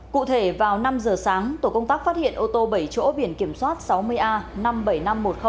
cụ thể vào năm giờ sáng tổ công tác phát hiện ô tô bảy chỗ biển kiểm soát sáu mươi a năm mươi bảy nghìn năm trăm một mươi